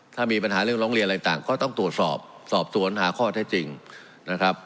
ถ้ามีปัญหาเรื่องร้องเรียนอะไรต่างก็ต้องตรวจสอบสอบสวนหาข้อเท็จจริงนะครับ